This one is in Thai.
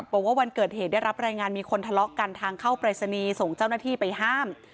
บอกว่าวันเกิดเหตุได้รับรายงานมีคนทะเลาะกันทางเข้าปรายศนีย์ส่งเจ้าหน้าที่ไปห้าม